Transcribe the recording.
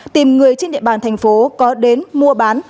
tìm người trên địa bàn thành phố có đến mua bán